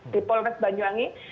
di polres banyuangi